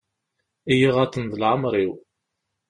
I y-iɣaḍen d leɛmer-iw.